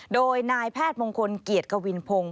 โดยนายแพทย์มงคลเกียรติกวินพงศ์